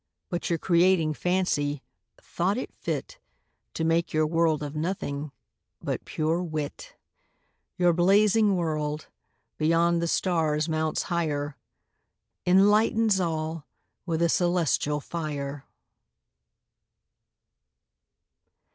But your Creating Fancy, thought it fit To make your World of Nothing, but pure Wit. Your Blazing World, beyond the Stars mounts higher, Enlightens all with a Cœlestial Fier.